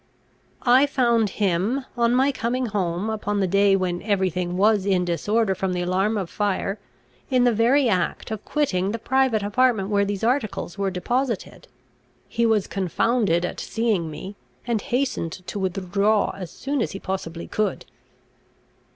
"I found him, on my coming home, upon the day when every thing was in disorder from the alarm of fire, in the very act of quitting the private apartment where these articles were deposited. He was confounded at seeing me, and hastened to withdraw as soon as he possibly could."